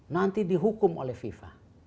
nanti dihukum oleh fifa